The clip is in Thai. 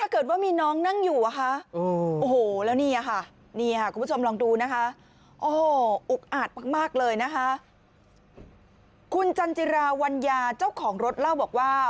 คุณจันจิราวัญญาเจ้าของรถเล่าบอกว่า